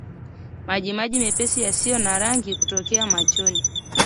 Majimaji mepesi yasiyo na rangi kutokea machoni